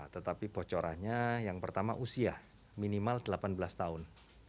tetapi bocorannya yang pertama usia minimal delapan belas tahun